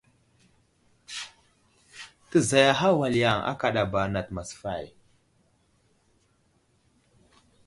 Təzayaha wal yaŋ akadaba nat masfay.